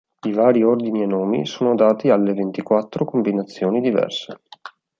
I vari ordini e nomi sono dati alle ventiquattro combinazioni diverse.